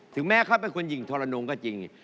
แม้เขาเป็นคนหญิงทรนงก็จริง